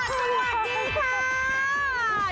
สวัสดีค่ะ